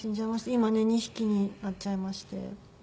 今ね２匹になっちゃいまして。